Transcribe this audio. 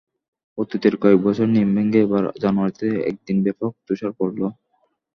অতীতের কয়েক বছরের নিয়ম ভেঙে এবার জানুয়ারিতে একদিন ব্যাপক তুষার পড়ল।